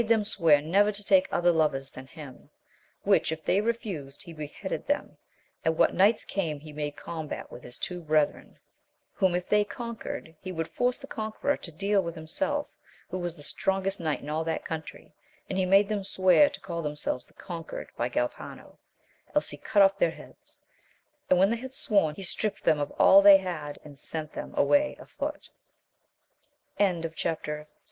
them swear never to take other lovers than him, which, if they refused, he beheaded them, and what knights came he made combat with his two brethren, whom, if they conquered, he would force the conqueror to deal with himself, who was the strongest knight in all that country, and he made them swear to call them selves the conquered by Galpano, else he cut off their heads ; and, when they had sworn, he stript them